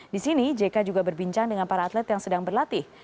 di sini jk juga berbincang dengan para atlet yang sedang berlatih